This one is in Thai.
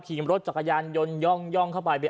ขี่รถจักรยานยนต์ย่องเข้าไป